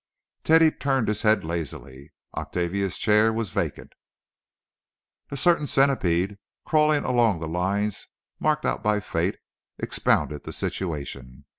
Teddy turned his head lazily. Octavia's chair was vacant. A certain centipede, crawling along the lines marked out by fate, expounded the situation.